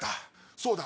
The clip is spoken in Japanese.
そうだ！